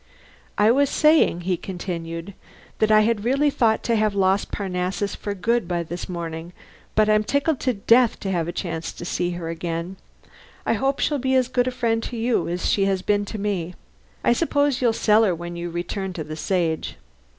"I was saying," he continued, "that I had really thought to have lost Parnassus for good by this morning, but I'm tickled to death to have a chance to see her again. I hope she'll be as good a friend to you as she has been to me. I suppose you'll sell her when you return to the Sage?"